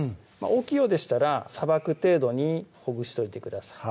大きいようでしたらさばく程度にほぐしといてください